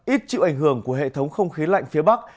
ít chịu ảnh hưởng của hệ thống không khí lạnh phía bắc